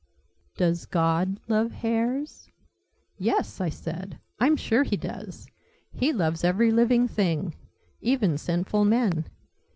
"Does GOD love hares?" "Yes!" I said. "I'm sure He does! He loves every living thing. Even sinful men.